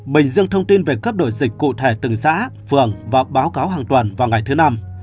bình dương thông tin về cấp đổi dịch cụ thể từng xã phường và báo cáo hàng tuần vào ngày thứ năm